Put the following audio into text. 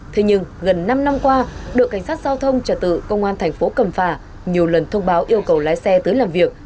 thế nhưng gần năm năm qua đội cảnh sát giao thông trả tự công an tp cầm phà nhiều lần thông báo yêu cầu lái xe tới làm việc